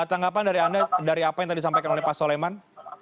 tanggapan dari anda dari apa yang tadi disampaikan oleh pak soleman